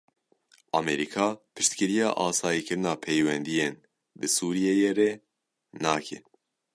Amerîka piştgiriya asayîkirina peywendiyên bi Sûriyeyê re nake.